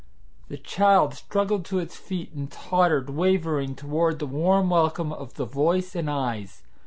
The child struggled to its feet, and tottered, wavering, toward the warm welcome of the voice and eyes.